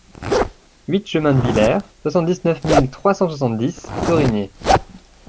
huit chemin de Vilert, soixante-dix-neuf mille trois cent soixante-dix Thorigné